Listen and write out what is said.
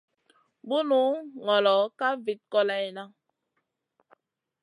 Bunu ŋolo ka vit kòleyna.